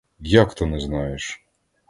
Як то не знаєш?